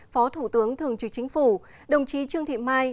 phó thủ tướng thường trực chính phủ đồng chí trương thị mai